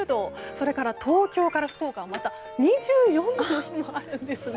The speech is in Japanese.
それから、東京から福岡はまた２４度の日もあるんですね。